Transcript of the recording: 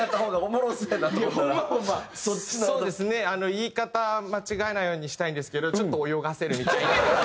言い方間違えないようにしたいんですけどちょっと泳がせるみたいな。